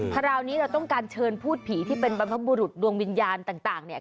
คราวนี้เราต้องการเชิญพูดผีที่เป็นบรรพบุรุษดวงวิญญาณต่างเนี่ย